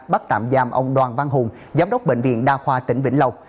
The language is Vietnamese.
bắt tạm giam ông đoàn văn hùng giám đốc bệnh viện đa khoa tỉnh vĩnh lộc